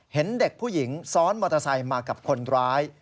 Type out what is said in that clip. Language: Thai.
เห็นเด็กผู้หญิงซ้อนมอเตอร์ไซค์มากับคนร้าย